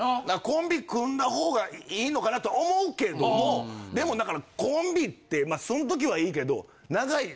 コンビ組んだ方がいいのかな？とは思うけどもでもコンビってその時はいいけど長い。